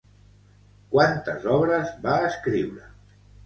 Quantes obres va escriure?